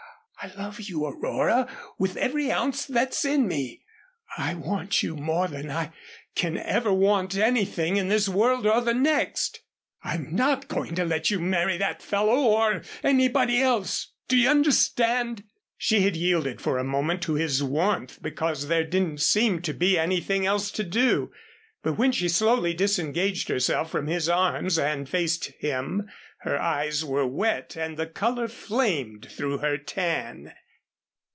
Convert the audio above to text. I love you, Aurora, with every ounce that's in me. I want you more than I can ever want anything again in this world or the next. I'm not going to let you marry that fellow or anybody else do you understand?" She had yielded for a moment to his warmth because there didn't seem to be anything else to do. But when she slowly disengaged herself from his arms and faced him her eyes were wet and the color flamed through her tan.